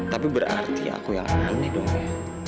tapi berarti aku yang aneh nih dong ya